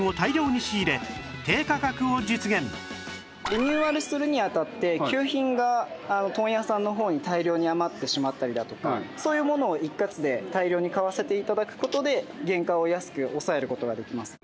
リニューアルするにあたって旧品が問屋さんの方に大量に余ってしまったりだとかそういうものを一括で大量に買わせて頂く事で原価を安く抑える事ができます。